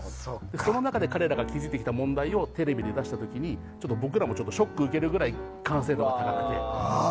その中で彼らが築いてきた問題をテレビで出した時に僕らもショックを受けるくらい完成度が高くて。